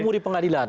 ketemu di pengadilan